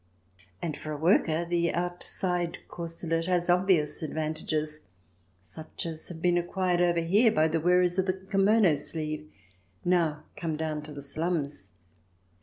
And for a worker, the outside corselet has obvious advantages, such as have been acquired over here by the wearers of the kimono sleeve — now come down to the slums.